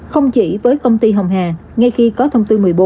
không chỉ với công ty hồng hà ngay khi có thông tư một mươi bốn